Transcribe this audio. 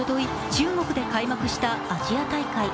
中国で開幕したアジア大会。